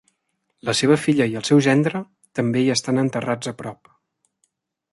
La seva filla i el seu gendre també hi estan enterrats a prop.